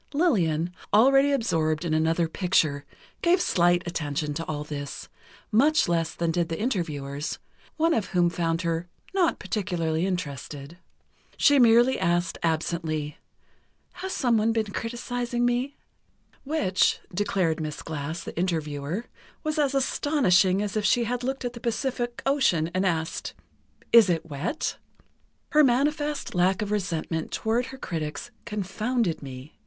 Lillian, already absorbed in another picture, gave slight attention to all this; much less than did the interviewers, one of whom found her "not particularly interested." She merely asked absently: "Has someone been criticizing me?" Which, declared Miss Glass, the interviewer, was as astonishing as if she had looked at the Pacific Ocean and asked: "Is it wet?" "Her manifest lack of resentment toward her critics confounded me....